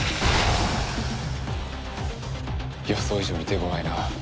予想以上に手ごわいな。